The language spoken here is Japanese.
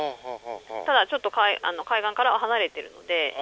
ただ、ちょっと海岸からは離れているので。